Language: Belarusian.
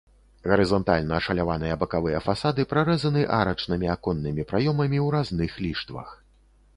Гарызантальна ашаляваныя бакавыя фасады прарэзаны арачнымі аконнымі праёмамі ў разных ліштвах.